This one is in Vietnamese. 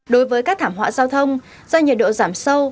đối với các thảm họa giao thông do nhiệt độ giảm sâu